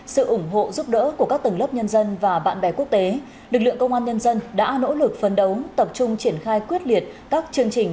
sự ủng hộ giúp đỡ của các tầng lớp nhân dân và bạn bè quốc tế lực lượng công an nhân dân đã nỗ lực phấn đấu tập trung triển khai quyết liệt các chương trình